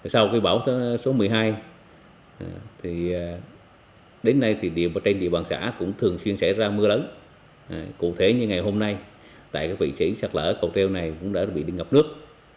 sau cái bão số một mươi hai đến nay thì trên địa bàn xã cũng thường xuyên xảy ra mưa lớn cụ thể như ngày hôm nay tại cái vị trí sạc lở cầu treo này cũng đã bị đi ngập nước